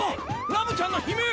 ラムちゃんの悲鳴！